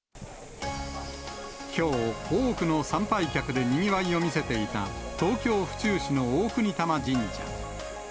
きょう、多くの参拝客でにぎわいを見せていた、東京・府中市の大國魂神社。